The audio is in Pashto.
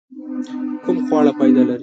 کوم خواړه فائده لري؟